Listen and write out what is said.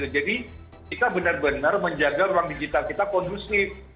jadi kita benar benar menjaga ruang digital kita kondusif